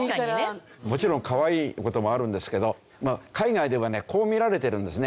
もちろんかわいい事もあるんですけど海外ではねこう見られてるんですね。